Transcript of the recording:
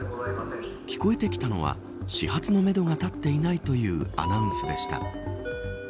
聞こえてきたのは、始発のめどが立っていないというアナウンスでした。